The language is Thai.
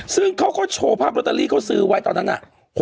ซึ่งเขาก็โชว์ภาพลอตเตอรี่เขาซื้อไว้ตอนนั้นน่ะ